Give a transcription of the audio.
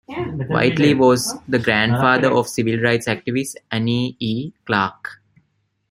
Whitely was the grandfather of civil rights activist, Annie E. Clark.